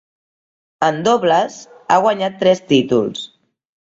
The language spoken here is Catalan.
En dobles, ha guanyat tres títols.